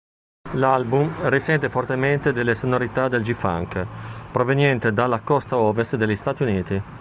L'album risente fortemente delle sonorità del G-funk, proveniente dalla costa ovest degli Stati Uniti.